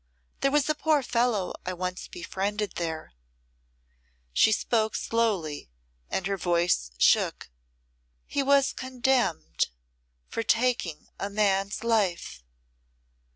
There was a poor fellow I once befriended there" she spoke slowly and her voice shook. "He was condemned for taking a man's life.